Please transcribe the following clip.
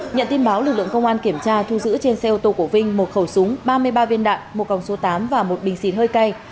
nhận tin báo lực lượng công an kiểm tra thu giữ trên xe ô tô của vinh một khẩu súng ba mươi ba viên đạn một còng số tám và một bình xịt hơi cay